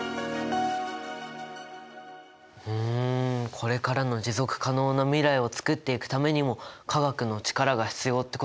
ふんこれからの持続可能な未来をつくっていくためにも化学の力が必要ってことですね。